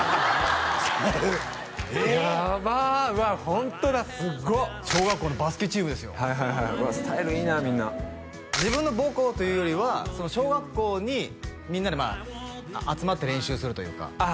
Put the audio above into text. ホントだすっご小学校のバスケチームですようわスタイルいいなみんな自分の母校というよりは小学校にみんなで集まって練習するというかああ